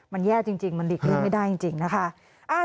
มันแย่จริงมันหลีกเลี่ยงไม่ได้จริงนะคะ